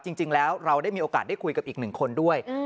จริงแล้วเราได้มีโอกาสได้คุยกับอีกหนึ่งคนด้วย